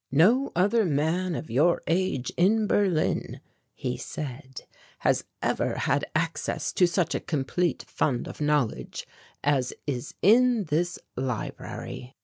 "No other man of your age in Berlin," he said, "has ever had access to such a complete fund of knowledge as is in this library."